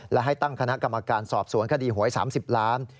และให้ตั้งคณะกรรมการสอบสวนคดีหวย๓๐ล้าน